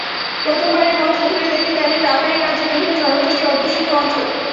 প্রথমবারের মতো ঘুরে দেখে গেলেন রাখাইন রাজ্যে বিভিন্ন জনগোষ্ঠী অধ্যুষিত অঞ্চল।